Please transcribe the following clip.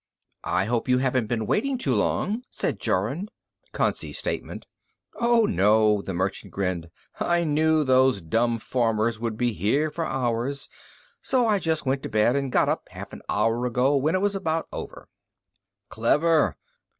"I hope you haven't been waiting too long," said Jorun. Concy statement. "Oh, no." The merchant grinned. "I knew those dumb farmers would be here for hours, so I just went to bed and got up half an hour ago, when it was about over." "Clever."